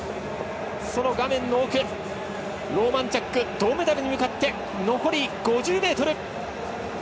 画面の奥、ローマンチャック銅メダルに向かって残り５０ｍ！